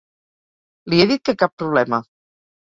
Li he dit que cap problema.